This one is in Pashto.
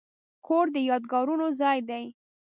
کور د یادګارونو ځای دی.